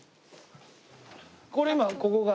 これ今ここが。